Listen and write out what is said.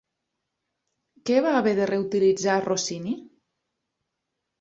Què va haver de reutilitzar Rossini?